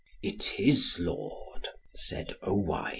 "It is, Lord," said Owain.